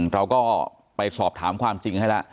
เราก็ไปสอบถามความจริงให้แล้ว